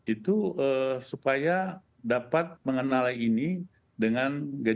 itu supaya dapat mengenali ini dengan gejala